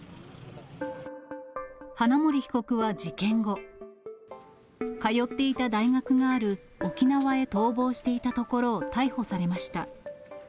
花森被告は事件後、通っていた大学がある沖縄へ逃亡していたところを逮捕されました。